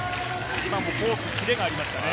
今もフォーク、キレがありましたよね。